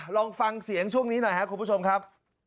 ลองฟังเสียงช่วงนี้หน่อยครับคุณผู้ชมครับ